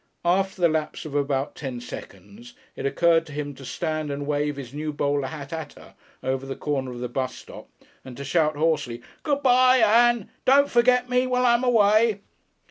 After the lapse of about ten seconds it occurred to him to stand and wave his new bowler hat at her over the corner of the bus top, and to shout hoarsely, "Goo bye, Ann! Don' forget me while I'm away!"